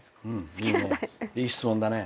いい質問だね。